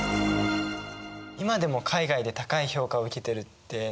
今でも海外で高い評価を受けてるって何か誇らしいな。